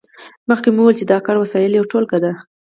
مخکې مو وویل چې د کار وسایل یوه ټولګه ده.